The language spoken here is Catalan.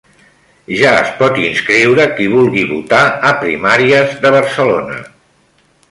Ja es pot inscriure qui vulgui votar a Primàries de Barcelona